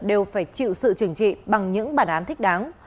đều phải chịu sự trừng trị bằng những bản án thích đáng